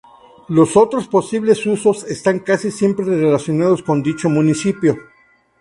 Los otros posibles usos están casi siempre relacionados con dicho municipio.